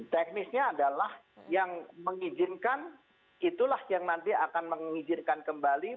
teknisnya adalah yang mengizinkan itulah yang nanti akan mengizinkan kembali